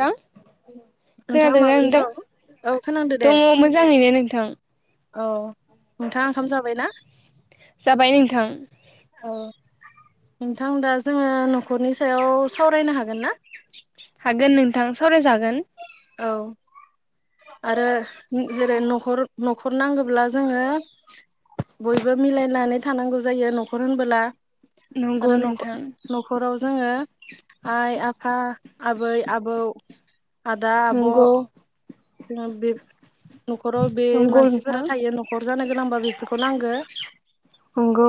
थां नोंथाङा खोनादोंना माबोरै नोंथां? दं? औ खोनादो दे दङ मोजाङैनो नोंथां। औ नोंथाङा ओंखाम जाबायना? जाबाय नोंथां औ नोंथां दा जोङो न'खरनि सायाव सावरायनो हागोन ना? हागोन नोंथां सावरायजागोन। औ आरो जेरै न'खर न'खर नांगोब्ला जोङो बयबो मिलायनानै थानांगौ जायो न'खर होनबोला नंगौ आरो नोंथां न'ख-न'खराव जोङो आइ आफा आबै आबौ आदा आब' नंगौ जोंना बे न'खराव बे नंगौ नोंथां मानसिफोरा थायो न'खर जानो गोनांबा बेफोरखौ नांगो । नंगौ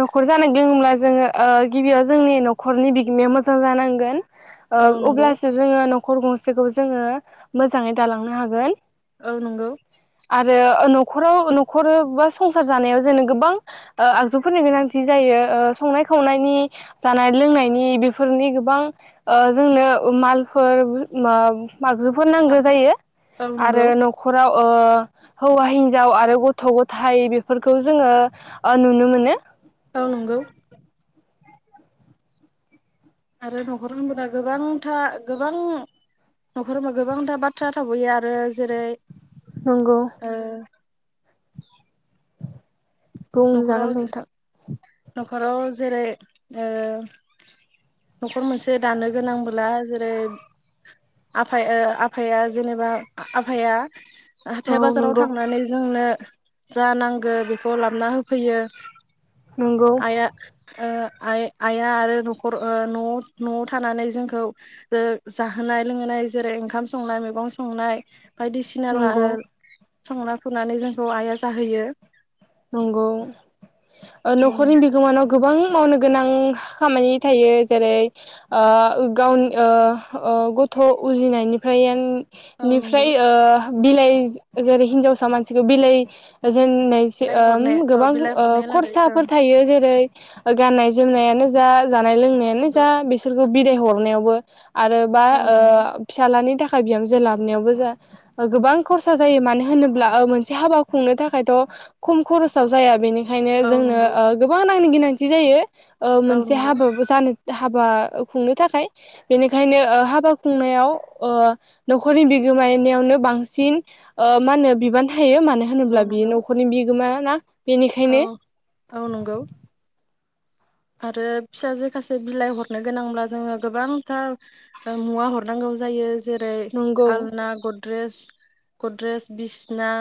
न'खर जानायदोंब्ला जोङो ओ गिबियाव जोंनि न'खरनि बिगोमाया मोजां जानांगोन । औ ओ नंगौ अब्लासो जोङो न'ख खर गंसेखौ जोङो मोजाङै दालांनो हागोन । औ नंगौ । आरो ओ न'खराव न'खर बा संसार जानायाव जोंनो गोबां ओ आगजुफोरनि गोनांथि जायो। ओ संनाय खावनायनि जानाय लोंनायनि बेफोरनि गोबां ओ जोंनो मालफोर माब आगजुफोर नांगो जायो औ नंगौ आरो न'खराव अ। हौवा हिनजाव आरो गथ' गथाय बेफोरखौ जोङो ओ नुनो मोनो। औ नंगौ। आरो न'खर होनबोला गोबांथा गोबां न'खर होनबा गोबांथा बाथ्रा थाब'यो आरो जेरै नंगौ। ओ न'खराव बुंजागोन नोंथां। न'खराव जेरै ओ न'खर मोनसे दानो गोनांबोला जेरै आफाया आफाया ओ जेनेबा आफाया औ हाथाय बाजाराव नंगौ थांनानै जोंनो जा नांगो बेखौ लाब ना होफैयो। नंगौ आइया ओ आइ आइआ आरो न'खर ओ न'आव न'आव थानानै जोंखौ जाहोनाय लोंहोनाय जेरै ओंखाम संनाय मैगं संनाय बायदिसिना ला नंगौ ओ संना खुनानै जोंखौ आइया जाहोयो। नंगौ ओ न'खरनि बिगोमानाव गोबां मावनो गोनां खामानि थायो जेरै ओ गावनि ओ ओ गथ' उजिनायनिफ्राय होन औ नंगौ निफ्राय ओ बिलाइ जे-जेरै हिनजावसा मानसिखौ बिलाइ जेननाय बिलाइ ओम हरनो औ गोबां बिलाइ ओ हरनाया लागै ओं खरसाफोर थायो जेरै गाननाय जोमनायानो जा जानाय औ लोंनायानो जा नंगौ बिसोरखो बिदाय हरनायावबो। आरो बा औ ओ नंगौ फिसालानि थाखाय बिहामजो लाबनायावबो जा गोबां खरसा जायो मानो होनोब्ला ओ मोनसे हाबा खुंनो थाखायथ' खम खरसाव जाया बेनि थाखायनो औ जोंनो नंगौ ओ गोबां रां नि गोनांथि जायो। ओ औ मोनसे नंगौ हाबाबो जानो [unintelligible] हाबा खुंनो थाखाय बेनिखायनो ओ हाबा खुंनायाव ओ न'खरनि बिगोमायनियावनो बांसिन ओ मा होनो बिबान थायो मानो होनोब्ला औ बियो नंगौ न'खरनि बि गोमा ना बेनिखायनो औ औ नंगौ। आरो फिसाजो खासे बिलाइ हरनो गोनांब्ला जोङो गोबांथार मुवा हरनांगौ जायो। जेरै नंगौ आलना ग द्रेस गद्रेस बिसना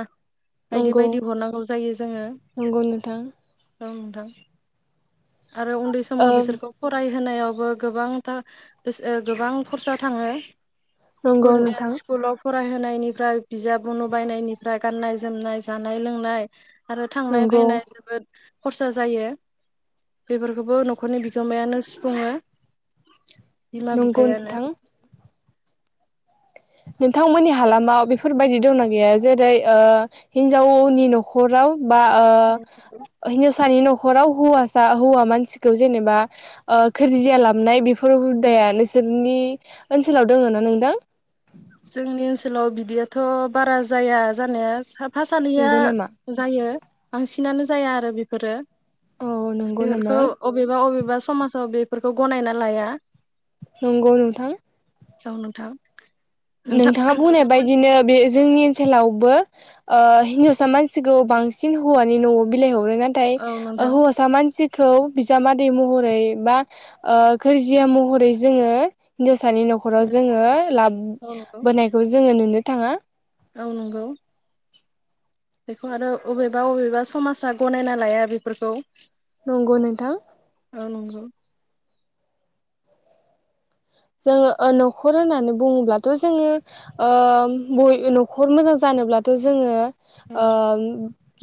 बायदि नंगौ बायदि हरनांगौ जायो जोङो नंगौ नोंथां दं नोंथां। आरो उन्दै ओ समाव बिसोरखौ फरायो होनायावबो गोबांथा गोस गोबां खरसा थाङो। नंगौ स्कुनो नोंथां स्कुलाव फरायहो नायनिफ्राय बिजाब उनु बायनायनिफ्राय गाननाय जोमनाय जानाय लोंनाय आरो थांनाय नंगौ फानाय जोबोद खरसा जायो बेफोरखोबो न'खरनि बिगोमायानो सुफुङो। बिमा नंगौ बिफायानो नोंथां। नोंथांमोननि हालामाव बेफोरबायदि दंना गैया जेरै ओ हिनजावनि न'खराव बा ओ हिनजावस सानि न'खराव हौवासा हौवा मानसिखौ जेनेबा ओ घोरजिया लाबनाय बेफोर हुदाया नोंसोरनि ओनसोलाव दोङोना नोंदों। जोंनि ओनसोलाव बिदियाथ' बारा जाया जानाया साब फा सानैया नंगौ नामा जायो। बांसिनानो जाया आरो बेफोरो औ नंगौ नामा बेफोरखौ अबेबा अबेब बा समाजाव बेफोरखौ गनायना लाया। नंगौ नोंथां। औ नोंथां। नोंथां नोंथाङा बुंनाय नोंथांमोन बायदिनो बे जोंनि ओन सोलावबो आ हिनजावसा मानसिखौ बांसिन हौवानि न'आव बिलाइ ह हरो नाथाय औ ओ नोंथां हौवासा मानसि खौ बिजामादै महरै बा ओ गोरजिया महरै जोङो सानि न'खराव जोङो लाब औ नंगौ बोनायखौ जोङो नुनो थाङा। औ नंगौ बेखौ आरो अबेबा अबेबा समाजा गनायना लाया बेफोरखौ। नंगौ नोंथां। औ नंगौ। जोङो ओ न'खर होननानै बुङोब्लाथ' जोङो ओम बए न'खर मोजां जानोब्लाथ' जोङो। औ ओम।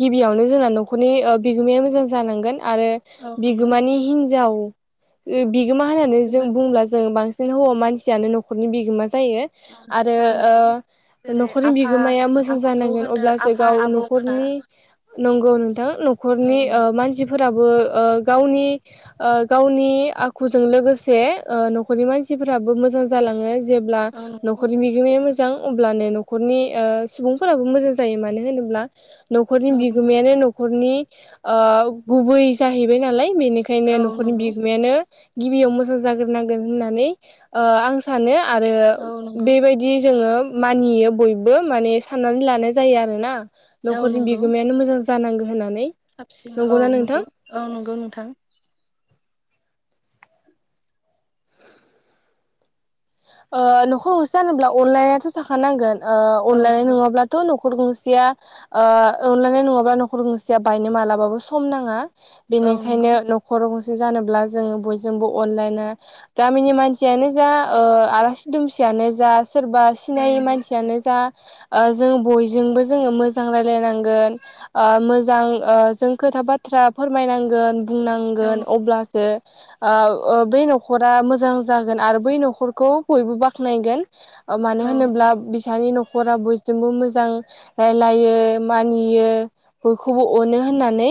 गिबियावनो जोंना न'खरनि ओ बिगोमाया मोजां जानांगोन। आरो नंगौ बिगोमानि हिन्जाव। एब बिगोमा होननानै जों इमान बुंब्ला जों बांस जों हौवा मानसियानो न'खरनि बिगोमा। जायो आरो औ नंगौ ओ जेरै न'खरनि आफा बिगोमाया मोजां आफाखौ जानांगोन होनो अब्लासो आफा गाव आबौमोना न'खरनि नंगौ । [unintelligible] औ न'खरनि ओ नंगौ मानसिफोर। गाबो ओ गावनि ओ गावनि आखुजों लोगोसे ओ न'खरनि मानसि। सिफ्राबो मोजां जालाङो। जेब्ला औ न'खरनि बिगोमाया मो जां अब्लानो न'खरनि ओ सुबुंफोराबो मोजां जायो मानो होनोब्ला न'खरनि नंगौ बिगोमायानो न'खरनि। ओ गुबै जाहैबाय नालाय। बेनिखायनो औ न'खरनि नंगौ बिगोमायानो। गिबियाव मोजां जाग्रोनांगोन होननानै। ओ आं सानो। आरो औ नंगौ औ नंगौ बेबायदि जोङो मानियो बयबो माने साननानै लानाय जायो आरोना। औ न'खरनि नंगौ बिगोमायानो मोजां जानांगौ होननानै साबसिन औ नंगौना नंगौ नोंथां। औ नंगौ नोंथां ओ न'खर गंसे जानोब्ला अनलाइनाथ' थाखा नांगोन। ओ औ अनलायनाय नंगौ नङाब्लाथ' न न'खर गंसेया ओ अनलायनाय नङाब्ला न'खर गंसेया बायनो मालाबाबो सम नाङा। औ नंगौ बेनिखायनो न'खर गं जानोब्ला जों बयजोंबो अनलायनो गामिनि मानसियानो जा ओ आलासि दुमसियानो जास्ट। सोरबा औ सिनायै नंगौ मानसियानो जा। ओ जों बयजोंबो जोङो मोजां रायजलायनांगोन ओ मोजां ओ जों खोथा बाथ्रा फोरमायनांगोन औ बुंनांगोन नंगौ अब्लासो आ ओ बे न'खरा मोजां जागोन आरो बै न'खरखौ बयबो बाख'नायगोन मानो औ होनोब्ला बिसानि न'ख नखरा बयजोंबो मोजां रायलायो मानियो बयखौबो अनो होननानै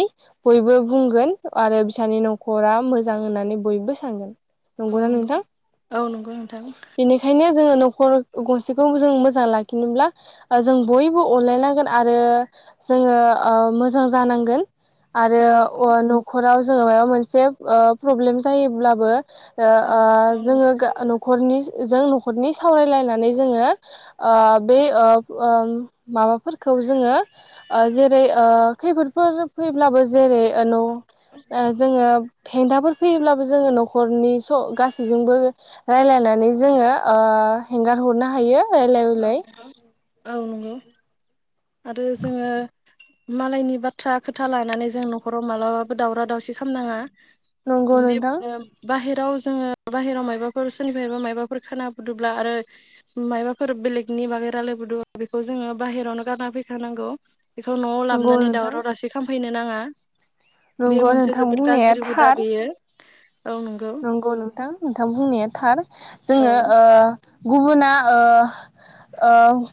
बयबो बुंगोन आरो बिसानि नखरा मोजां होननानै बयबो सानगोन औ नंगौना नंगौ नोंथां औ नंगौ नोंथां खायनो जोङो न'खर गंसेखौ जों मोजां लाखिनोब्ला जों बयबो अनलायनांगोन आरो जोङो ओ मोजां जानांगोन आरो औ नंगौ अ न'खराव जोङो माइबा मोनसे ओ प्रब्लेम जायोब्लाबो ओ औ ओ जोङो गा न'खरनि जों न'खरनि सावरायलायनानै जोङो ओ बे ओ ओम माबाफोरखौ जोङो ओ जेरै ओ खैफोदफोर फैब्लाबो जेरै ओ न' ओ औ जोङो हेंथाफोर फैयोब्लाबो जोङो न'खरनि स गासैजोंबो रायलायनानै जोङो ओ हेंगार हरनो हायो रायलाय औ उलाय नंगौ औ नंगौ आरो जोङो मालायनि बाथ्रा खोथा लानानै जों न'खराव मालाबाबो दावराव दावसि खामनाङा नंगौ जुदि नोंथां उम बाहेराव जोङो बाहेराव मायबाफोर सोरनिफ्रायबा मायबाफोर खोना बुदुब्ला आरो मायबा फोर बेलेगनि बागै रायलायबोदों बेखौ जोङो बाहेरावनो गारना फैखानांगौ बेखौ न'आव नंगौ लाबोनानै नोंथां दावराव दावसि खामफैनो नाङा बेयो नंगौ मोनसे नोंथां जोबोद बुंनाया गाज्रि हुदा थार बेयो नंगौ नोंथां नोंथां बुंनाया थार औ जोङो ओ गुबुना ओ ओ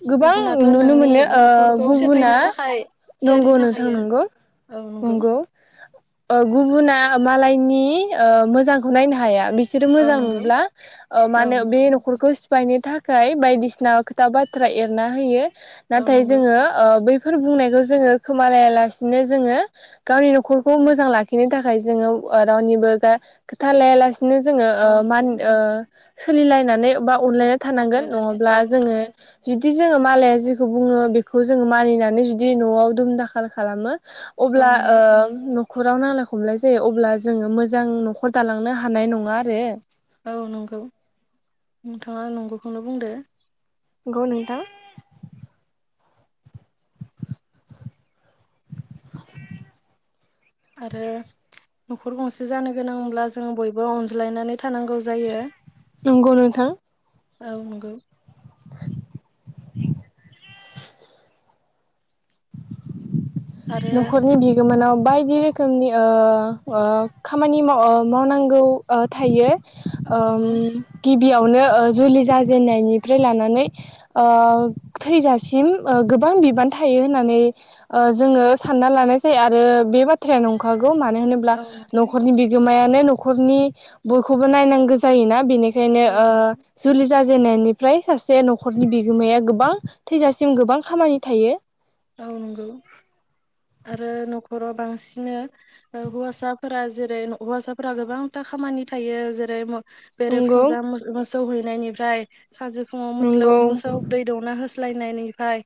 गोबां गुबुनाथ' नुनो नोंनि मोनो ओ न'खरखौ गुबुना सेफायनो थाखाय थियारि नंगौ नोंथां थाखायो नंगौ नंगौ ओ गुबुना मालायनि ओ मोजां खौ नायनो हाया बिसोरो औ मोजां नंगौ नुब्ला ओ औ मानो बे नंगौ न'खरखौ सि फायनो थाखाय बायदिसिना खोथा बाथ्रा एरना होयो औ नाथाय नंगौ जोङो ओ बै फोर बुंनायखौ जोङो खोमालायालासिनो जोङो गावनि न'खरखौ औ मोजां लाखिनो था खाय जोङो रावनिबो गा खोथा लायालासि नो जोङो ओ औ मा नंगौ हो सोलिलायनानै बा सोलों अनलायना थानांगोन अनलायनानै औ नङाब्ला जोङो जु दि जोङो मालाया जेखौ बुङो बिखौ जोङो मानिनानै जुदि न'आव दुम दाखाल खालामो। औ अब्ला नंगौ ओं खराव नांलाय खमलाय जायो अब्ला जोङो मोजां न' खर दालांनो हानाय नङा आरो औ नंगौ नोंथाङा नंगौखौनो बुंदो। नंगौ नोंथां। आरो न'खर गंसे जानो गोनांब्ला जों बयबो अनज्लायनानै थानांगौ जायो। नंगौ नोंथां। औ नंगौ। आरो नखरनि बिगोमोनाव बायदि रोखोमनि ओ ओ खामानि माव-मावनांगौ ओ थायो। औ ओम नंगौ गिबियाव खौनो ओ जुलि जाजेननायनिफ्राय लानानै ओ थैजासिम ओ गोबां बिबान थायो होननानै ओ जोङो सानना लानाय जायो आरो बे बाथ्राया नंखा गौ मानो होनोब्ला औ नंगौ नखरनि बिगोमाया नै न'खरनि बयखौबो नायनांगो जायोना बेनि बेनो औ ओ नंगौ जुलि जाजेननायनिफ्राय सासे नखरनि बिगोमाया गोबां थैजासिम गोबां खामानि थायो। औ नंगौ आरो न'खराव बांसिन ओ हौवासाफोरा जेरै हौवासाफोरा गोबांथा खामानि थायो जेरै मो नंगौ बेरेफुंजा मोसो मोसो सौहैनायनिफ्राय सानजुफुङाव मोस्लौ नंगौ मोसौ दै दौना हो स्लायनायनिफ्राय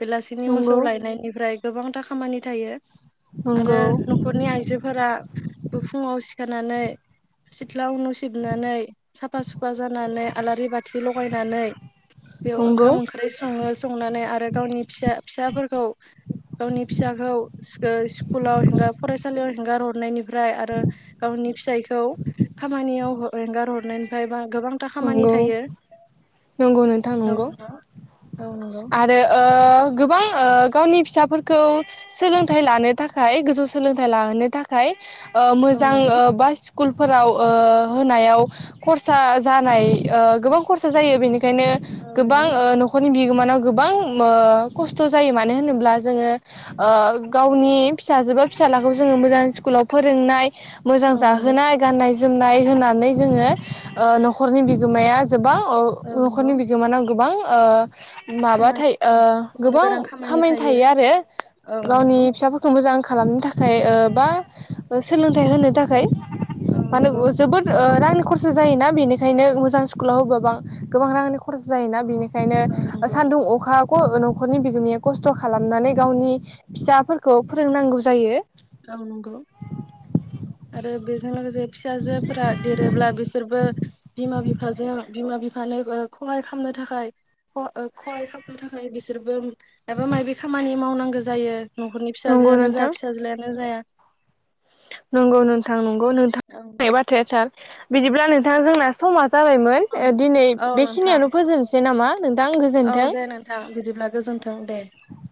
बेेलासिनि मोसौ नंगौ बेनिफ्राय गोबांथा खामानि थायो। आरो नंगौ नखरनि आइजोफोरा बो फुङाव सि खानानै सिथ्ला नु सिबनानै साफा सुफा जानानै आलारि बाथि लगायनानै बेयाव नंगौ ओंखाम ओंख्रि सङो संनानै आरो गावनि फिसा फिसाफोरखौ गावनि फिसाखौ स्को-स्कुलाव हेंगा फरायसालियाव हेंगार हर नायनि ओमफ्राय आरो गावनि फिसाइखौ खामानियाव अंगार हरनायनिफ्रायबा नंगौ नंगौ नोंथां औ नंगौ नंगौ आरो ओ गोबां ओ गावनि फिसाफोरखौ सोलोंथाइ लानो थाखाय गोजौ सोलोंथाइ लाहोनो थाखाय ओ औ मोजां नंगौ ओ बासि स्कुल फोराव ओ होनायाव खरसा जानाय ओ गोबां खरसा जायो बेनि ओंखायनो औ नंगौ औ गोबां नंगौ ओ नखरनि बि बिमानाव गोबां ओ खस्थ जायो मानो होनोब्ला जोङो ओ गावनि फिसाजो बा फिसालाखौ जोङो मोजां स्कुलाव फोरोंनाय मोजां औ नंगौ जाहोनाय गाननाय जोमनाय होनानै जोङो ओ न न'खरनि बिगोमाया गोबां ओ औ नंगौ न'खरनि बिगोमाना गोबां ओ। माबा थायो ओ खामानि मावनो गोबां गोनां खामानि थायो आरो औ गावनि नंगौ फिसाफोरखौ मोजां खालामनो थाखाय ओ बा सोलोंथाइ होनो थाखाय औ माने नंगौ जोबोद रां खरसा जायोना बेनि खायनो मोजां स्कुल होबा बां गोबां रांनि खरसा जायोना बेनिखाय औ खायनो नंगौ सानदुं अखा क' न'खरनि बिगोमाया खस्थ' खालामनानै गावनि फिसाफोरखौ फोरोंनांगौ जायो । औ नंगौ आरो बेजों लोगोसे फिसाजोफोरा देरोब्ला बिसोरबो बिमा बिफाजों बिमा बिफानो ओ खहाय खामनो थाखाय ख-खहाय खामनो थाखाय बिसोरबो माबा माबि खामानि मावनांगो जायो । न'खरनि नंगौ फिसाजोआ जा नोंथां फिसाज्लायानो जाया। नंगौ नोंथां नं गौ नोंथां औ बुंनाय बाथ्राया थार । बिदिब्ला नोंथाङा जोंना समा जाबायमोन नंगौ दिनै औ नोंथां बेखिनियावनो फोजोबनोसै नामा नोंथां औ गोजोन्थों दे नोंथां बिदिब्ला गोजोन्थों दे ।